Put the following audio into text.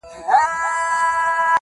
چي دهقان ته په لاس ورنه سي تارونه -